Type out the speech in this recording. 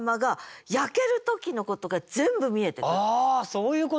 そういうこと。